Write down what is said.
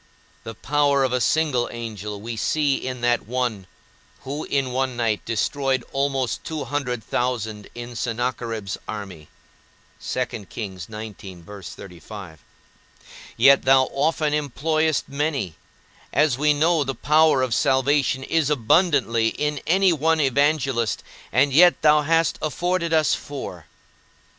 The power of a single angel we see in that one, who in one night destroyed almost two hundred thousand in Sennacherib's army, yet thou often employest many; as we know the power of salvation is abundantly in any one evangelist, and yet thou hast afforded us four.